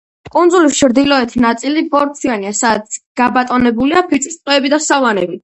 კუნძულის ჩრდილოეთი ნაწილი ბორცვიანია, სადაც გაბატონებულია ფიჭვის ტყეები და სავანები.